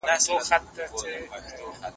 د اسلامي احکامو پيروي وکړئ.